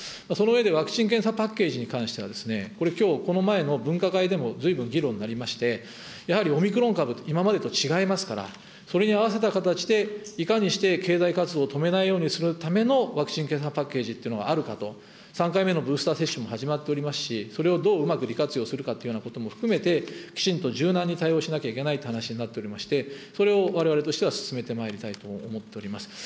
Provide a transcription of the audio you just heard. その上で、ワクチン・検査パッケージに関しては、これ、きょう、この前の分科会でも随分議論になりまして、やはりオミクロン株は今までと違いますから、それに合わせた形で、いかにして経済活動を止めないようにするためのワクチン・検査パッケージというのもあるかと、３回目のブースター接種も始まっておりますし、それをどううまく利活用するかというようなことも含めて、きちんと柔軟に対応しなきゃいけないという話になっておりまして、それをわれわれとしては進めてまいりたいと思っております。